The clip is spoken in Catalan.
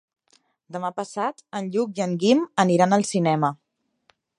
Demà passat en Lluc i en Guim aniran al cinema.